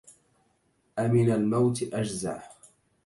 أمن الموت أجزع